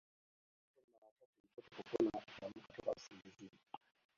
Ambapo ni mara chache mtoto kupona akiamka toka usingizini